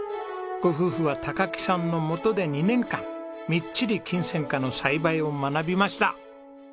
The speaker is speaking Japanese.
ご夫婦は木さんのもとで２年間みっちりキンセンカの栽培を学びました。